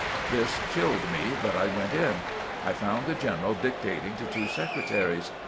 This chilled me, but I went in. I found the General dictating to two secretaries.